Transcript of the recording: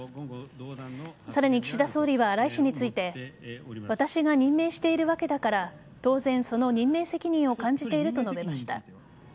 さらに岸田総理は荒井氏について私が任命しているわけだから当然、その任命責任を感じていると述べました。